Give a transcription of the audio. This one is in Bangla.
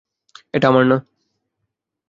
এটা আমার না!